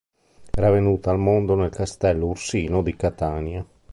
Era venuta al mondo nel castello Ursino di Catania.